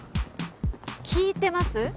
聞いてます？